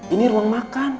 ini ruang makan